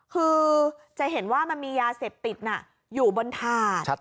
คือจะเห็นว่ามันมียาเสพติดอยู่บนถาด